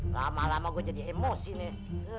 lama lama gue jadi emosi nih